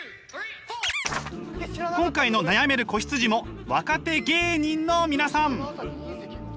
今回の悩める子羊も若手芸人の皆さん！